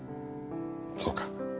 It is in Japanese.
そうか。